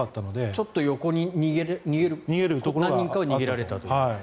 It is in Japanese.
ちょっと横に何人かは逃げられたと。